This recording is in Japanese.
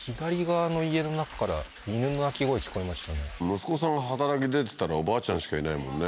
息子さんが働きに出てたらおばあちゃんしかいないもんね